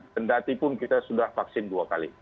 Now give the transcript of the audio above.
tendatipun kita sudah vaksin dua kali